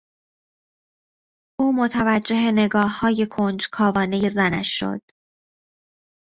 او متوجه نگاههای کنجکاوانهی زنش شد.